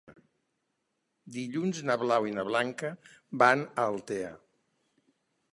Dilluns na Blau i na Blanca van a Altea.